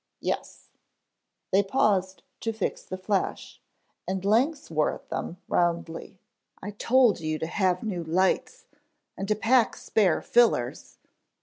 "Yes." They paused to fix the flash, and Lang swore at them roundly. "I told you to have new lights, and to pack spare fillers.